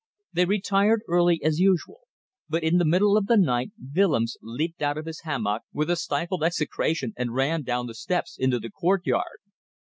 They retired early, as usual, but in the middle of the night Willems leaped out of his hammock with a stifled execration and ran down the steps into the courtyard.